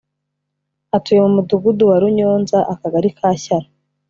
atuye mu mudugudu wa runyonza akagari ka shyara